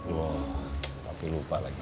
wah tapi lupa lagi